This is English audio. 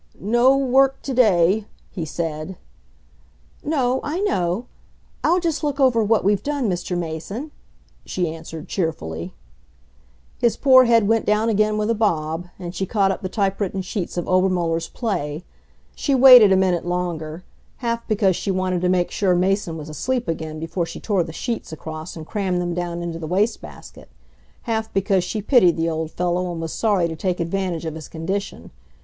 "No work to day," he said. "No I know. I'll just look over what we've done, Mr. Mason," she answered cheerfully. His poor head went down again with a bob, and she caught up the type written sheets of Obermuller's play. She waited a minute longer; half because she wanted to make sure Mason was asleep again before she tore the sheets across and crammed them down into the waste basket; half because she pitied the old fellow and was sorry to take advantage of his condition.